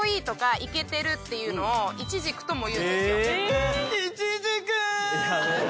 イケてるっていうのをイチジクとも言うんですよ。